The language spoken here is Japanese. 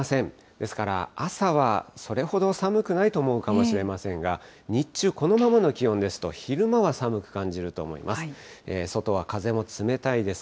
ですから、朝はそれほど寒くないと思うかもしれませんが、日中、このままの気温ですと、昼間は寒く感じると思います。